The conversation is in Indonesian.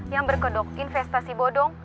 yang berkedok investasi bodong